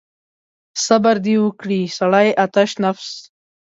صبر دې وکړي سړی آتش نفس.